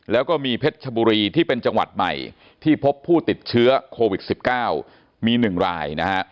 แล้วก็มีเพชรชบุรีที่เป็นจังหวัดใหม่ที่พบผู้ติดเชื้อโควิด๑๙มี๑รายนะฮะ